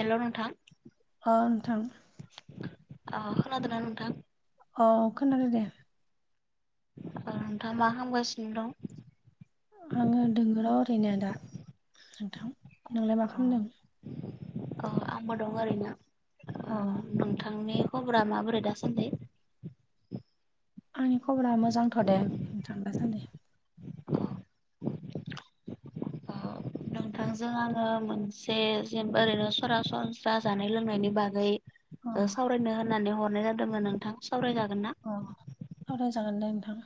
हेल' नोंथां। अ नोंथां। अ खोनादोंना नोंथां? अ खोनादों दे। नोंथांङा मा खामगासिनो दं? आंङो दं र' ओरैनो दा नोंथां नोलाय मा खालामदों? अ आंबो दं ओरैनो अ ओ नोंथांनि खबरा माबोरै दासानदि आंनि खबरा मोजांथ' दे नोंथां दासान्दि। नोंथांजों आंङो मोनसे जेनबा ओरैनो सरासनस्रा जानाय लोंनायनि बागै अ सावरायनो होननानै हरनाय जादोंमोन नोंथां सावरायजागोन ना? अ सावराय जागोन दे नोंथां।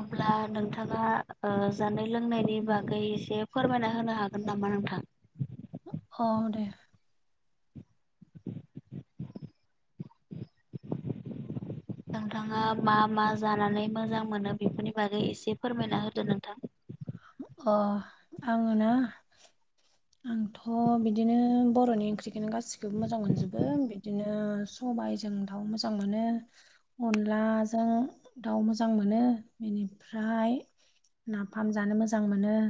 अब्ला नोंथांङा जानाय लोंनायनि उम बागै एसे फोरमायना होनो हागोन नामा नोंथां? औ दे। नोंथांङा मा मा जानानै मोजां मोनो बेफोरनि बागै एसे फोरमायना होदो नोंथां। अ आंङो ना। आंथ' बिदिनो बर'नि ओंख्रिखौनो गासिखौबो मोजां मोनजोबो बिदिनो सबाइजों दाउ मोजां मोनो। अनलाजों दाउ मोजां मोनो बेनिफ्राय- नाफाम जानो मोजां मोनो।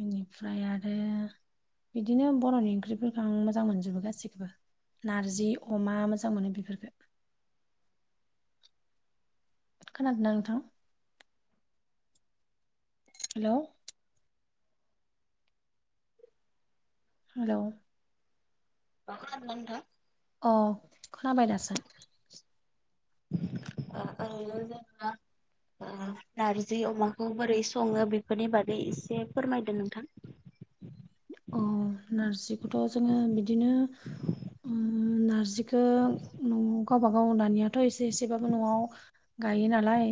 बेनिफ्राय आरो बिदिनो बर'नि ओंख्रिफोरखौ आं मोजां मोनजोबो गासिखौबो। नारजि अमा मोजां मोनो बेफोरखो खोनादों ना नोंथां? हेल'? हेल'? मा खालामदों दा नोंथां? अ खोनाबाय दासो। आं ज [unintelligible] नारजि अमाखौ बोरै संङो बेफोरनि बागै एसे फोरमायदो नोंथां। अ नारजिखौथ' जोंङो बिदिनो नारजिखौ न'आव गावबागाव दानिया से एसेबाबो न'आव गायो नालाय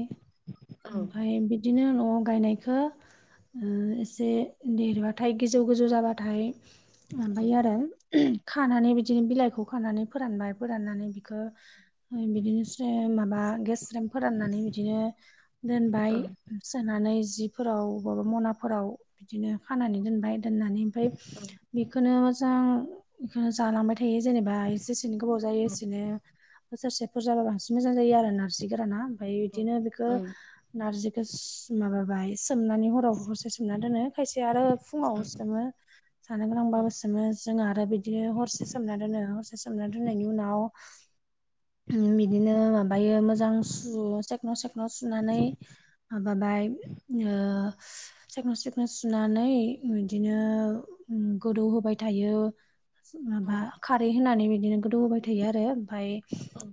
औ ओमफ्राय बिदिनो न'आव गायनायखौ एसे देरबाथाय गोजौ गोजौ जाबाथाय औ ओमफाय आरो खानानै बिदिनो बिलाइखौ खानानै फोरानबाय फोराननानै बिखौ बिदिनो से माबा गेस्रेम फोराननानै बिदिनो दोनबाय औ सोनानै जिफोराव बबावबा मनाफोराव बिदिनो खानानै दोनबाय दोननानै ओमफ्राय औ बेखौनो मोजां बेखौ जालांबाय था थायो जेनेबा एसे एसेनो गोबाव जायो एसेनो बोसोरसे बुरजाबा बांसिन मोजां जायो आरो नारजि गोराना ओमफ्राय बिदिनो बेखौ औ नारजिखौ माबाबाय सोमनानै हराव हरसे सोमना दोनो खायसे आरो औ फुंङाव मङा [unintelligible] जानो गोनांबा सोमो जों आरो बिदिनो हरसे सोमना दोनो हरसे सोमना दोननायनि उनाव [inaudible] बिदिनो माबायो मोजां सु सेखन' सेखन' सुनानै माबाबाय सख्ल' सिख्ल' सुनानै बिदिनो गोदौ होबाय थायो। औ माबा खारै होनानै बिदिनो गोदौ होबाय थायो आरो। ओमफ्राय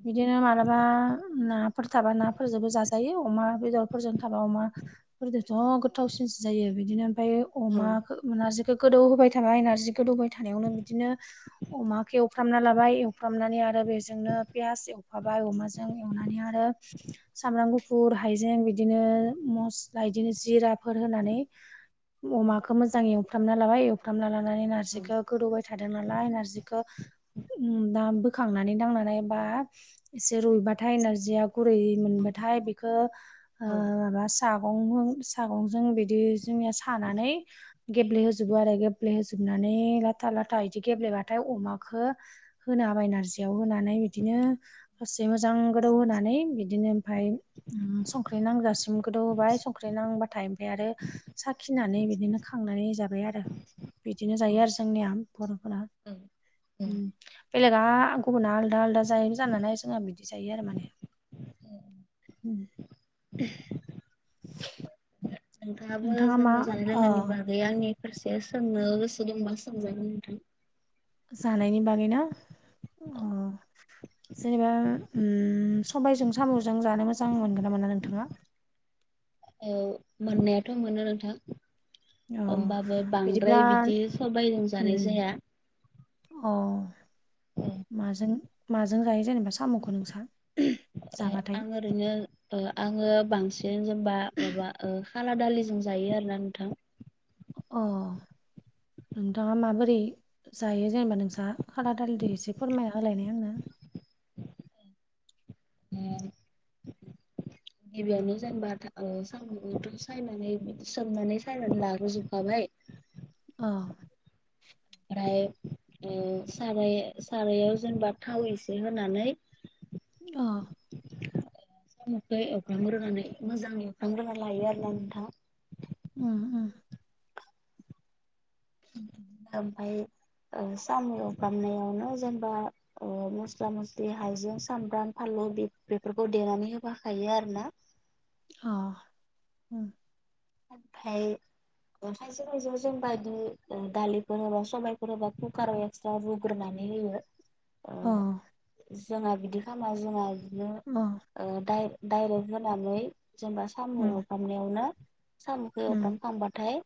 बिदिनो मालाबा नाफोर थाबा नाफोरजोंबो जाजायो अमा बेदरफोरजों थाबा अमा। गोदोथ' गोथावसिनसो जायो बिदिनो ओमफाय अमा नारजिखौ गोदौ होबाय थाबाय नारजि गोदौबाय थानायावनो बिदिनो अमाखौ एवफ्रामना लाबाय। एवफ्रामनानै आरो बेजोंनो पियास एवफाबाय अमाजों एवनानै आरो सामब्राम गुफु फुर हाइजें बिदिनो मस्ला बिदिनो जिराफोर होनानै अमाख खौ मोजां एवफ्रामना लाबाय एवफ्रामना लानानै नारजिखौ गोदौबाय थादों नालाय नारजिखौ ओम दा बोखांनानै दांनानै बा एसे रुइबाथाय एनारजिया गुरै मोनबाथाय बेखौ ओ औ माबा सागं सागंजों बिदि जोंनि सानानै गेब्लेहजोबो आरो गेब्लेहोजोब जोबनानै लाथा लाथा बिदि गेब्लेबाथाय अमाखौ होनो होबाय नारजि बेयाव होनानै बिदिनो दसे मोजां गोदौ होनानै बिदिनो ओमफ्राय संख्रि नांजासिम गोदौ होबाय संख्रि नांबाथाय ओमफ्राय आरो साखिनानै बिदिनो खांनानै जाबाय आरो बिदिनो जायो आरो जोंनिया बर'फोरा। औ उम। बेलेगा गुबुना आलदा आलदा जायो जानालाय जोंहा बिदि जायो आरो माने। उम नोंथाङाबो नोंथाङा मा जोंबो जानाय ओ लोंनायनि बागै आंनि फारसे सोंनो गोसो दंबा सोंजागोन नोंथां। जानायनि बागैना अ। जेनेबा ओम सबायजों साम'जों जानो मोजां मोनगोन ना मोना नोंथाङा? औ मोननायाथ' मोनो नोंथां। अ होमबाबो बिदिब्ला बांद्राय बिदि सबाय जों जानाय उम जाया। अ माजों माजों जायो जेनेबा? साम'खौ नोंसा जाबाथाय। आं ओरैनो ओ आङो बांसिन जेनबा माबा ओ खाला दालिजों जायो आरोना नोंथां। अ नोंथाङा माबोरै जायो जेनेबा नोंसहा खाला दालिजों एसे फोरमायना होलायनाय आंनो। [inaudible] गिबियावनो जेनेबा ओ सामुंथ' सायनानै सोमनानै सायनानै लाग्रोजोबखाबाय। अ। ओफ्राय ओ सार सारायाव जेनेबा थाव एसे होनानै अ खै एवफ्रामनानै मोजाङै एवग्राना लायो आरोना नोंथां। उम उम। ओमफ्राय ओ साम' एवफ्रामनायावनो जेनेबा ओ मस्ला मस्लि हाइजें सामब्राम फानलु बेफोरखौ देनानै होफाखायो आरोना। अ ओ। ओमफ्राय खायसे खायसेआ जोंब बिदि दालिफोर होबा सबायफोर होबा कुकाराव स्रा रुग्रोनानै होयो। अ। ओ जोंहा बिदि खालामा जोंहा जो ओ ओ डा डाइरेक्ट होनानै जेनबा साम उम एवफ्रामनायावनो साम'खौ उम एवफ्रामखांबाथाय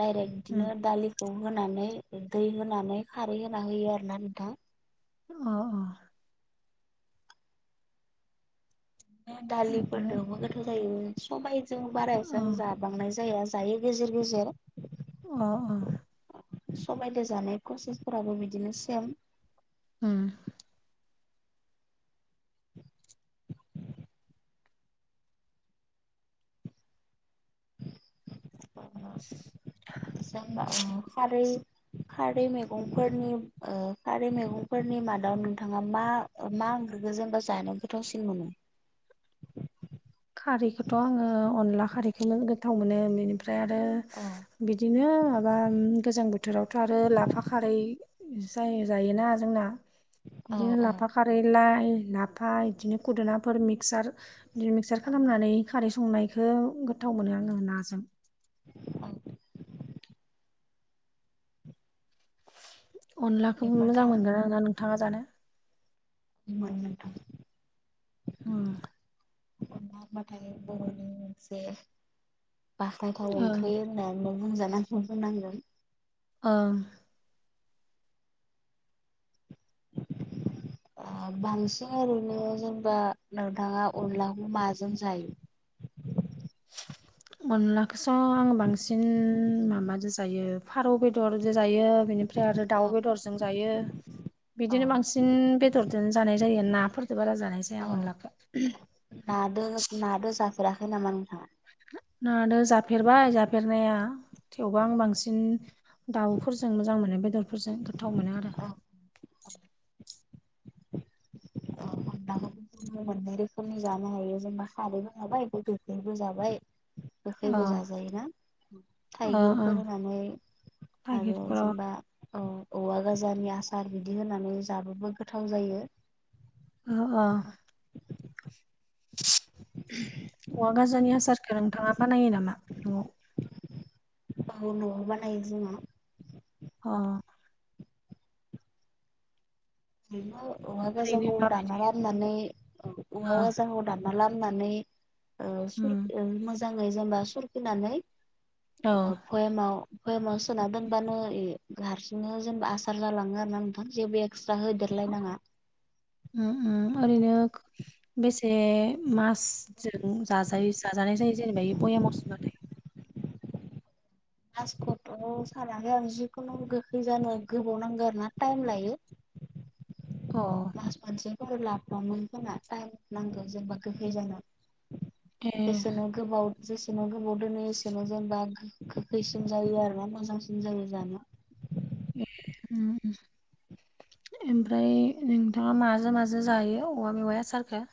डाइरेक्ट उम बिदिनो दालि खौ होनानै दै होनानै खारै होना होयो आरोना नोंथाङां। अ अ। ओमफ्राय दालिफोरदोबो गोथाव जायो सबायजों बाराय अ जों जाबांनाय जाया। जायो गेजेर गेजेर। अ अ। सबायदो जानाय प्रसेसफोराबो बिदिनो सेम। ओम। [inaudible] खारै। खारै मैगंफोरनि ओ खारै मैगंफोरनि मादाव नोंथाङा मा। मा ओंख्रिखौ जेनबा जानो गोथावसिन मोनो? खारैखौथ' आङो अनला खारैखौ गोथाव मोनो बेनिफ्राय ओमफ्राय आरो बिदिनो माबा गोजां बोथोरावथ' आरो लाफा खारै। जा जायोना जोंना औ बिदिनो औ लाफा खा खारै लाइ लाफा बिदिनो खुदाफोर मिसार बिदि मिक्सार औ खालामनानै। खारै संनायखौ गोथाव मोनो आङो नाजों। औ। अनलाखौबो बेफोरथ' मोजां आं मोनगोन आर ना नोंथाङा जानो? मोनो नोंथां। अ। बाथाय बर'नि मोनसे बाखनायथाव ओं ओंख्रि होननानै बुंजानांगौ होननांगोन। ओ। [unintelligible] बांसिन ओरैनो जेनबा नोंथाङा अनलाखौ माजों जायो? अनलाखौसो आं बांसिन माबाजों जायो। फारौ बेदर जायो बेनिफ्राय आरो औ दाउ बेदरजों जायो। औ बिदिनो बांसिन बेदरजों जानाय जायो नाफोरजों बारा जानाय जाया अनलाखौ। ना नादो जाफेराखै नामा नोंथाङा? नादो जाफेरबाय जाफेरनाया थेवबो बांसिन दाउफोरजों मोजां मोनो बेदरफोरजों गोथाव मोनो आरो। औ अ अनलाखौ मोननै रोखोमनि जानो हायो जेनेबा खारैबो जाबाय [unintelligible] जाबाय अ गोखैबो जाजायोना? ओ ओं थाइगिरफोर होनानै आरो थाइगिरफोराव जेनेबा औ औवा गोजानि आसार बिदि होनानै जाबाबो गोथाव जायो। अ अ औवा गाजानि हासारखौ नोंथाङा बानायो नामा न'आव? औ न'आव बानायो जोङो। अ [unintelligible] औवा ओरैनो गाजाखौ माबायदि दाना लाबोनानै औवा अ गाजाखौ दानना लाबोनानै उम मोजाङै जेनेबा सुरखिनानै औ ओ बयामाव बयामाव सोना दोनबानो हारसिंनो जेनेबा आसार जालाङो आरो ना नोंथां जेबो दस्रा होदेरलायनाङा। ओ ओ ओरैनो बेसे मासजों जाजायो जाजानाय जायो जेनेबा बेया बयामाव सो कासखौथ' सानाखै आं जिखुनु गोखै जानो गोबाव नांगौ आरो ना टाइम लायो। अ मास मोनसेफोर [unintelligible] टाइम नांगौ जेनेबा गोखै जानो ए बेसेनो गोबाव जेसेनाव गोबाव दोनो एसेनाव जेनेबा गोखैसिन जायो आरोना मोजांसिन जायो जानो। [unintelligible] ओमफ्राय नोंथाङा माजों माजों जायो औवा मेवाय आसारखौ?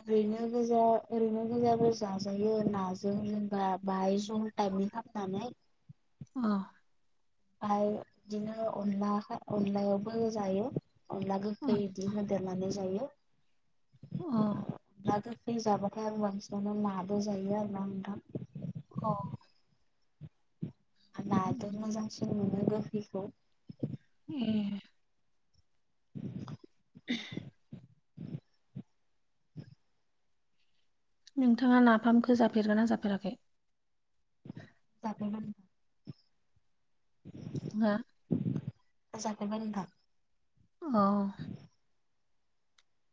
ओरैनो गोजा ओरैनो गोजाबो जाजायो नाजों जेनबा [unintelligible] टाइमनि खालामनानै औ ओमफ्राय बिदिनो अनला अनलायावबो जायो अनला गोखै अ इदि होदेरनानै जायो औ अनला गोखै जाबाथाय आरो बांसिनानो नाबो जायो आरोना नोंथां औ नाजों उम, उम। मोजांसिन मोनो गोखैखौ उम [inaudible] [unintelligible] नोंथाङा नाफामखौ जाफेरगोन ना जाफेराखै जाफेरदों हो जाफेरबाय नोंथां औ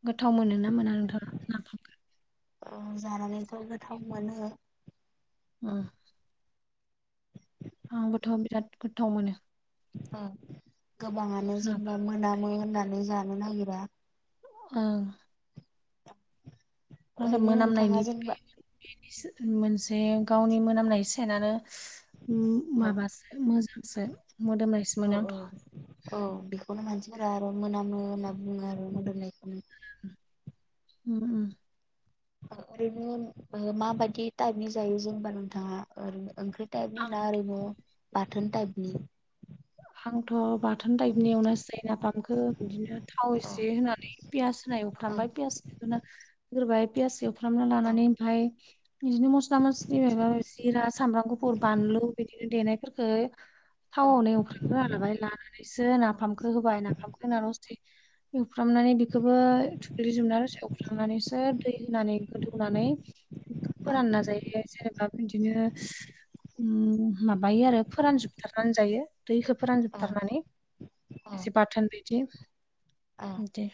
गोथाव मोनो ना मोना नोंथाङा नाफाम? अ जानानैथ' गोथाव मोनो उम [inaudible] आंबोथ' बिराद गोथाव मोनो ओ गोबाङानो जेनेबा नाफाम मोनामो होननानै जानो नागिरा ओं नाथाय ओरैनो नोंथाङा जेनेबा मोनामनायनिबो बे मोनसे गावनि मोनामनाय सेनानो उम औ माबासो मोजांसो मोदोमनायसो मोनो आंथ' औ बेखौनो मानसिफोरा आरो मोनामो होनना बुङो आरो मोदोमनायखौनो उम उम ओरैनो माबायदि टाइपनि जायो जेनबा नोंथाङा ओरैनो ओंख्रि टाइपनि ना ओरैनो बाथोन टाइपनि आंथ' बाथोन टाइमनि एवनानैसो जायो नाफामखो बिदिनो थाव औ एसे होनानै पियास होनाय औ एवफ्रामबाय पियासखौनो सोरबाय पियास एवफ्रामना औ लानानै ओमफ्राय बिदिनो मस्ला मस्लि माबा जिरा सामब्राम गुफुर बानलु बिदिनो देनायफोरफोरखो औ थावआवनो एवफ्रामग्रोना लाबाय लानानैसो नाफामखौ होबाय नाफामखौ होनानै असथि एवफ्रामनानै बेखौबो थुख्लिजोबनानै आरो एवफ्रामनानैसो दै होनानै गोदौनानै फोरान नाजायो जेनेबा बिदिनो ओम माबायो आरो फोरानजोबथारनानै जायो दैखौ फोरानजोबथारनानै औ एसे बाथोन बि दि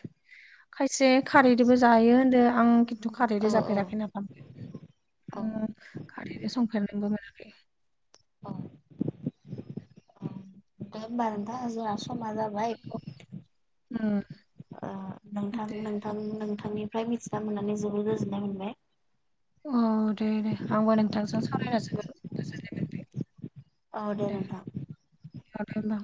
खायसे खारैजोंबो जायो होनदो आं थ' खारैजों जाफेराखै नाफाम औ आं खारैजों संफेरनोबो मोनाखै दे होमबा नोंथां जोंहा समा जाबाय ओ ओ नोंथां नोंथां नोंथांनिफ्राय मिथिना मोननानै जोबोद गोजोननाय मोनबाय औ दे दे आंबो नोंथांजों सावरायना जोबोद गोजोननाय मोनदों दे औ दे होनबा